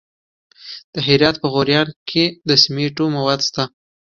د هرات په غوریان کې د سمنټو مواد شته.